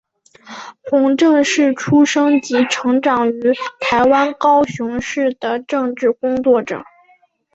洪正是出生及成长于台湾高雄市的政治工作者。